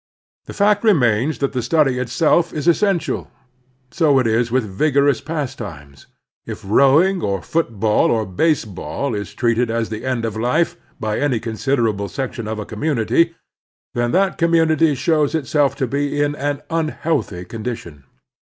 The fact remains that the study itself is essential. So it is with vigorous pastimes. If rowing or football or baseball is treated as the end of life by any considerable section of a community, then that 8 \ XI4 The Strenuous Life community shows itself to be in an unhealthy condition.